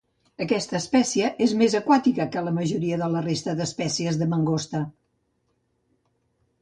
Aquesta espècie és més aquàtica que la majoria de la resta d'espècies de mangosta.